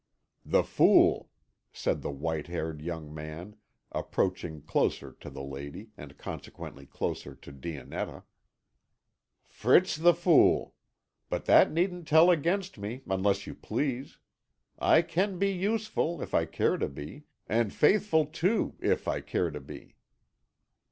"The Fool," said the white haired young man, approaching closer to the lady, and consequently closer to Dionetta, "Fritz the Fool. But that needn't tell against me, unless you please. I can be useful, if I care to be, and faithful, too, if I care to be."